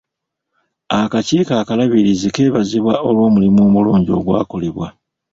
Akakiiko akalabirizi kebazibwa olw'omulimu omulungi ogwakolebwa.